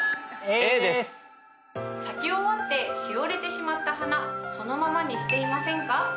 咲き終わってしおれてしまった花そのままにしていませんか？